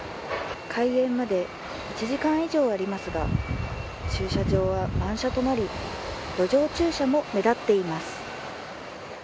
開園まで１時間以上ありますが駐車場は満車となり路上駐車も目立っています。